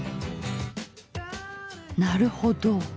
なるほど！